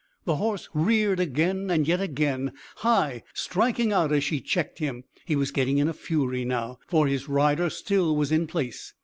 The horse reared again and yet again, high, striking out as she checked him. He was getting in a fury now, for his rider still was in place.